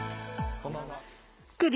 こんばんは。